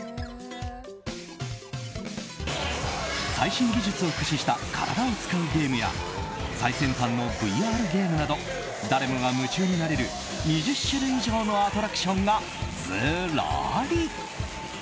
最新技術を駆使した体を使うゲームや最先端のＶＲゲームなど誰もが夢中になれる２０種類以上のアトラクションがずらり。